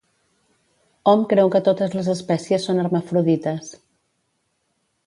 Hom creu que totes les espècies són hermafrodites.